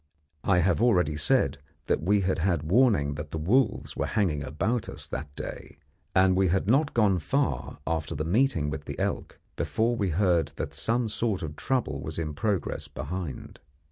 I have already said that we had had warning that the wolves were hanging about us that day, and we had not gone far after the meeting with the elk before we heard that some sort of trouble was in progress behind.